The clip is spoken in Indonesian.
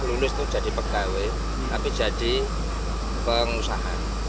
lulus untuk jadi pegawai tapi jadi pengusaha